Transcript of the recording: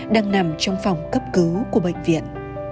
đang nằm trong phòng cấp cứu của bệnh viện